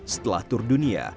setelah tur dunia